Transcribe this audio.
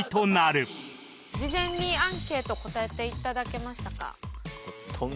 事前にアンケート答えていただけましたか？